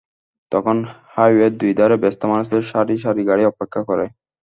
তখন হাইওয়ের দুই ধারে ব্যস্ত মানুষদের সারি সারি গাড়ি অপেক্ষা করে।